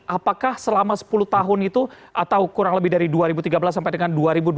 apakah selama sepuluh tahun itu atau kurang lebih dari dua ribu tiga belas sampai dengan dua ribu dua puluh